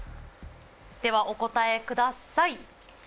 ではお答えください。